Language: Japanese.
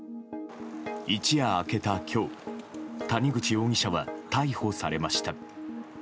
一夜明けた今日谷口容疑者は逮捕されました。